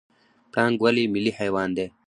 پړانګ ولې ملي حیوان دی؟